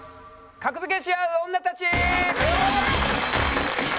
格付けしあう女たち！